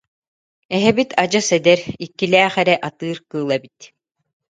Эһэбит адьас эдэр, иккилээх эрэ атыыр кыыл эбит